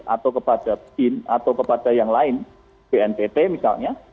atau kepada bin atau kepada yang lain bnpt misalnya